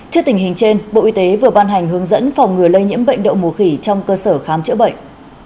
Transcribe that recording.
trước tình hình trên bộ y tế vừa ban hành hướng dẫn phòng ngừa lây nhiễm bệnh đậu mùa khỉ trong cơ sở khám chữa bệnh